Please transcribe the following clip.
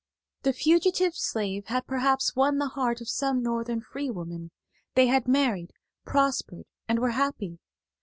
The fugitive slave had perhaps won the heart of some Northern free woman; they had married, prospered, and were happy.